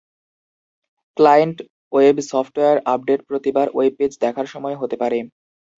Client web software update প্রতিবার web page দেখার সময় হতে পারে।